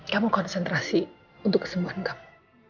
kamu konsentrasi untuk kesembuhan kamu